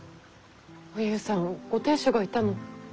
おゆうさんご亭主がいたの？